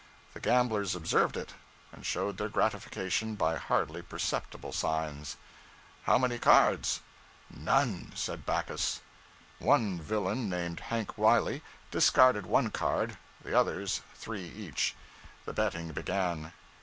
The gamblers observed it, and showed their gratification by hardly perceptible signs. 'How many cards?' 'None!' said Backus. One villain named Hank Wiley discarded one card, the others three each. The betting began.